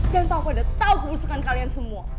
dan papa udah tau kebusukan kalian semua